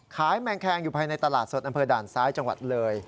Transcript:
แมงแคงอยู่ภายในตลาดสดอำเภอด่านซ้ายจังหวัดเลย